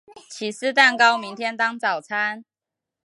起司蛋糕明天当早餐